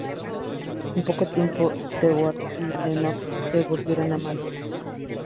En poco tiempo, Stewart y Lennox se volvieron amantes.